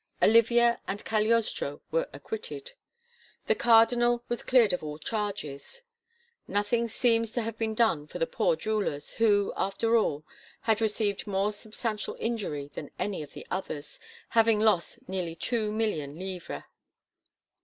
Olivia and Cagliostro were acquitted. The Cardinal was cleared of all charges. Nothing seems to have been done for the poor jewellers, who, after all, had received more substantial injury than any of the others, having lost nearly two million livres.